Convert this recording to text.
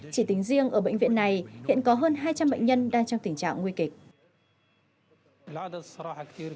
chỉ tính riêng ở bệnh viện này hiện có hơn hai trăm linh bệnh nhân đang trong tình trạng nguy kịch